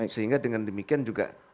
sehingga dengan demikian juga